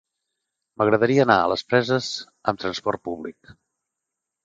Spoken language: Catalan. M'agradaria anar a les Preses amb trasport públic.